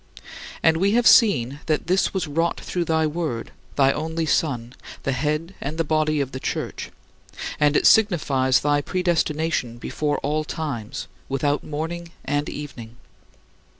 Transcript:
And we have seen that this was wrought through thy Word, thy only Son, the head and the body of the Church, and it signifies thy predestination before all times, without morning and evening.